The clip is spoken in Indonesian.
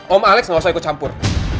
om alex gak usah ikut campur